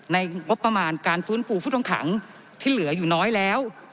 งบประมาณการฟื้นฟูผู้ต้องขังที่เหลืออยู่น้อยแล้ว